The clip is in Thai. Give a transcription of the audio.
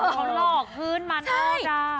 เขาหลอกคืนมาโน่มจ้า